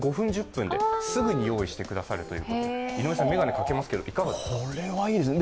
１０分ですぐに用意してくださるということで、井上さん、眼鏡かけますけれども、いかがですか？